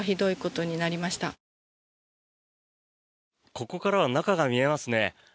ここからは中が見えますね。